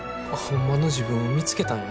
ホンマの自分を見つけたんやな。